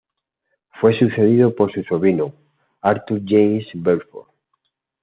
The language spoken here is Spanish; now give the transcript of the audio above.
Fue sucedido por su sobrino, Arthur James Balfour.